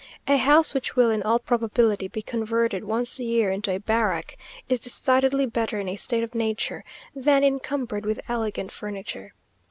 A house which will in all probability be converted once a year into a barrack, is decidedly better in a state of nature, than encumbered with elegant furniture.